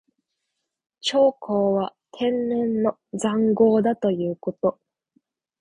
長江は天然の塹壕だということ。